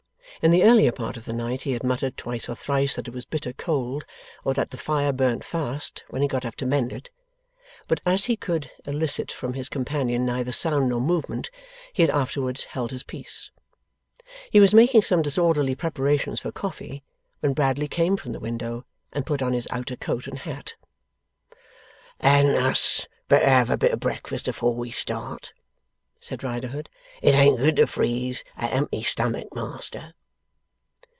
In the earlier part of the night he had muttered twice or thrice that it was bitter cold; or that the fire burnt fast, when he got up to mend it; but, as he could elicit from his companion neither sound nor movement, he had afterwards held his peace. He was making some disorderly preparations for coffee, when Bradley came from the window and put on his outer coat and hat. 'Hadn't us better have a bit o' breakfast afore we start?' said Riderhood. 'It ain't good to freeze a empty stomach, Master.